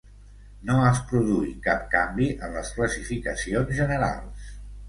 No es produí cap canvi en les classificacions generals.